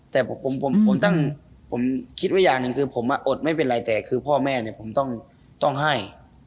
แต่ผมคิดว่าอย่างหนึ่งคือผมอดไม่เป็นไรแต่คือพ่อแม่เนี่ยผมต้องให้